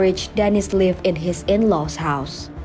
pada perkahwinan dennis tinggal di rumah keluarga